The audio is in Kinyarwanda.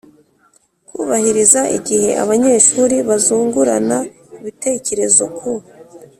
Kubahiriza igihe Abanyeshuri bazungurana ibitekerezo ku